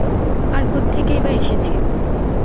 আর কোত্থেকেই বা এসেছে?